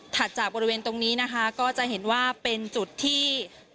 จากบริเวณตรงนี้นะคะก็จะเห็นว่าเป็นจุดที่